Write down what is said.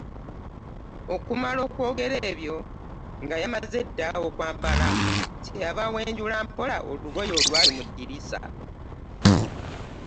Okumala okwogera ebyo nga yamaze dda okwambala kye yava awenjula mpola olugoye olwali mu ddirisa